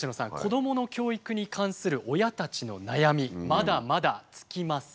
子どもの教育に関する親たちの悩みまだまだ尽きません。